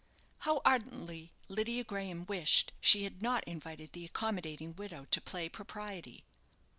(How ardently Lydia Graham wished she had not invited the accommodating widow to play propriety!)